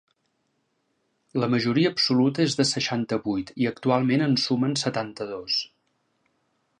La majoria absoluta és de seixanta-vuit i actualment en sumen setanta-dos.